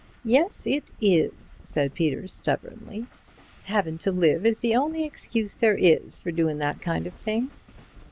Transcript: "Yes, it is," said Peter stubbornly. "Havin' to live is the only excuse there is for doin' that kind of thing."